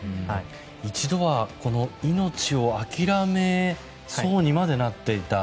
一度は命を諦めそうにまでなっていた